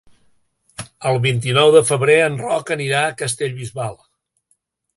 El vint-i-nou de febrer en Roc anirà a Castellbisbal.